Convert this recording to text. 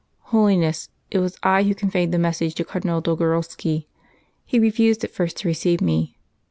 "Holiness, it was I who conveyed the message to Cardinal Dolgorovski. He refused at first to receive me.